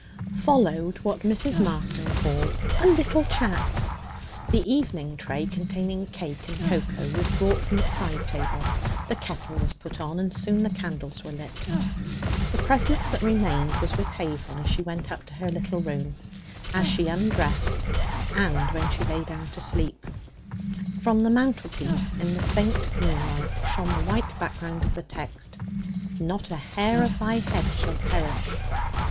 Followed what Mrs. Marston called 'a little chat'; the evening tray, containing cake and cocoa, was brought from its side table; the kettle was put on, and soon the candles were lit. The presence that remained was with Hazel as she went up to her little room, as she undressed, and when she lay down to sleep. From the mantlepiece in the faint moonlight shone the white background of the text, 'Not a hair of thy head shall perish.'